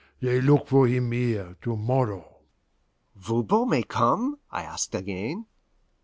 They look for him here to morrow." "Voban may come?" I asked again.